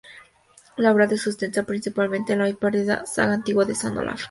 La obra se sustenta principalmente en la hoy perdida "saga antigua de San Olaf".